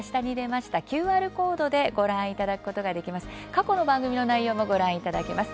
過去の番組の内容もご覧いただけます。